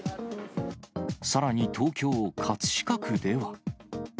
さらに東京・葛飾区では。